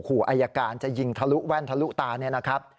ขู่อายการจะยิงทะลุแว่นทะลุตาเนี่ยนะครับ